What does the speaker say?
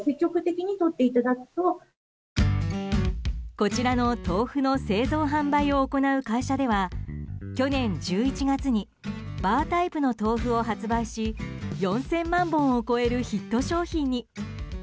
こちらの豆腐の製造・販売を行う会社では去年１１月にバータイプの豆腐を発売し４０００万本を超えるヒット商品に。